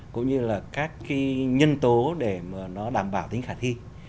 cũng như là các nhân tố để nó đảm bảo tính khả thi